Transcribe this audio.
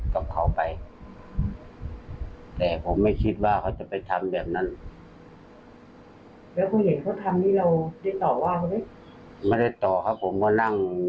ของเขาไปหมดเลยครับครับส่วนแต่งกรมก็ไม่ได้อะไรสักอย่าง